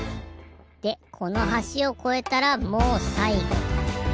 でこのはしをこえたらもうさいご。